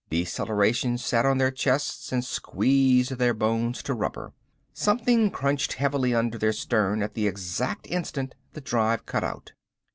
Deceleration sat on their chests and squeezed their bones to rubber. Something crunched heavily under their stern at the exact instant the drive cut out.